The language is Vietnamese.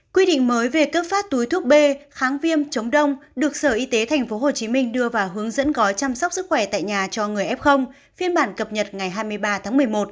quy định mới về cấp phát túi thuốc b kháng viêm chống đông được sở y tế tp hcm đưa vào hướng dẫn gói chăm sóc sức khỏe tại nhà cho người f phiên bản cập nhật ngày hai mươi ba tháng một mươi một